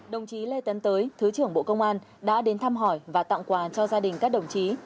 đồng chí lê tấn tới thứ trưởng bộ công an đã đến thăm hỏi và tặng quà cho gia đình các đồng chí